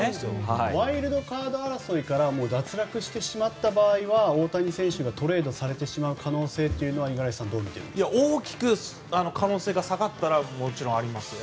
ワイルドカード争いから脱落してしまった場合は大谷選手がトレードされてしまう可能性というのは大きく可能性が下がったらあります。